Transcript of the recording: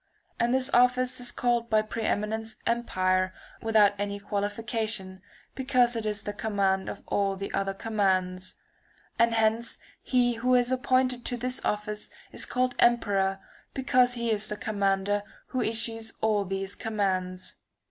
And this office [^703 is called by pre eminence empire, without any qualification, because it is the command of all the other commands. And hence he who is appointed to this office is called emperor because he is the commander who issues all the commands.